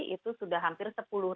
itu sudah hampir sepuluh